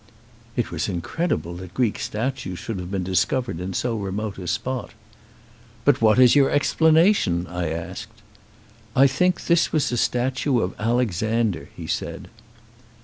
It was incredible that Greek statues should have been discovered in so remote a spot. "But what is your explanation?" I asked. "I think this was a statue of Alexander," he said.